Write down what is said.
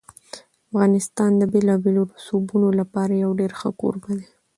افغانستان د بېلابېلو رسوبونو لپاره یو ډېر ښه کوربه دی.